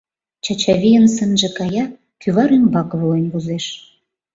Чачавийын сынже кая, кӱвар ӱмбак волен возеш.